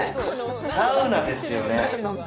サウナですよね。